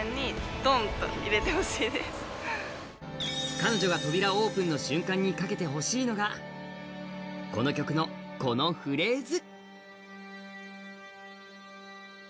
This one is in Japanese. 彼女が扉オープンの瞬間にかけてほしいのがこの曲のこのフレーズ。